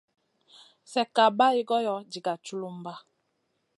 Slèkka bày goyo diga culumba.